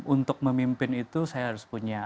untuk memimpin itu saya harus punya